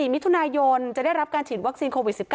มิถุนายนจะได้รับการฉีดวัคซีนโควิด๑๙